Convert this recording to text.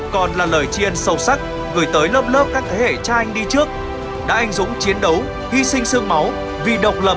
còn là lời chiên sâu sắc gửi tới lớp lớp các thế hệ cha anh đi trước đã anh dũng chiến đấu hy sinh sương máu vì độc lập tự do của tổ quốc